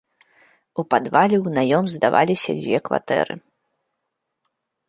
У падвале ў наём здаваліся дзве кватэры.